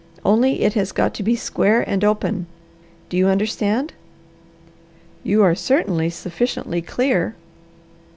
Only it has got to be square and open. Do you understand?" "You are certainly sufficiently clear."